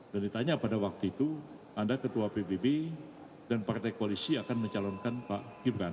dan ditanya pada waktu itu anda ketua pbb dan partai koalisi akan mencalonkan pak gibran